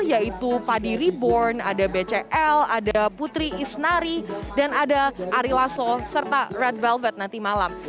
yaitu padi reborn ada bcl ada putri isnari dan ada ari lasso serta red velvet nanti malam